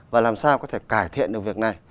và làm sao có thể cải thiện được việc này